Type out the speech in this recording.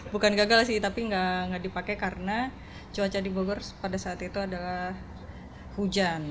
bukan gagal sih tapi nggak dipakai karena cuaca di bogor pada saat itu adalah hujan